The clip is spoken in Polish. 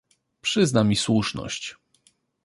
"Przyzna mi słuszność."